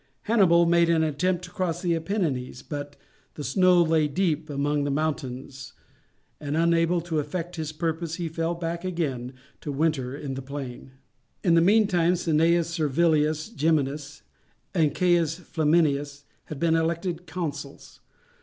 Hannibal made an attempt to cross the Apennines, but the snow lay deep among the mountains, and, unable to effect his purpose, he fell back again to winter in the plain. In the meantime Cneius Servilius Geminus and Caius Flaminius had been elected consuls.